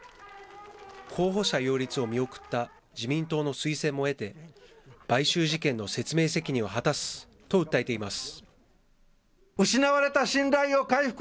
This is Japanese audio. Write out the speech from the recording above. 候補者擁立を見送った自民党の推薦も得て、買収事件の説明責任を果たすと訴えています。